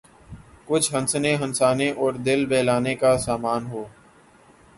کچھ ہنسنے ہنسانے اور دل بہلانے کا سامان ہو۔